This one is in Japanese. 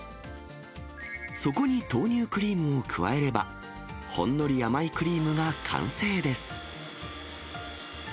そこに豆乳クリームを加えれば、ほんのり甘いクリームが完成です。